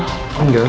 aku gak pernah join